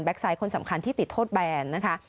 ไซต์คนสำคัญที่ติดโทษแบนนะคะ